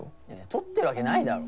取ってるわけないだろ。